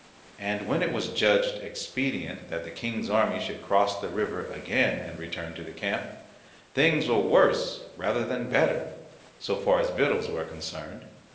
And when it was judged expedient that the King's army should cross the river again and return to the camp, things were worse rather than better, so far as victuals were concerned.